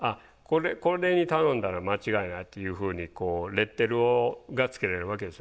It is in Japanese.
これに頼んだら間違いないっていうふうにレッテルがつけれるわけですよ。